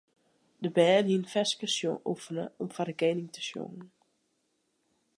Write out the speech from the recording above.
De bern hiene ferskes oefene om foar de koaning te sjongen.